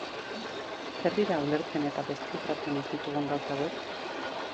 Zer dira ulertzen eta deszifratzen ez ditugun gauza hauek?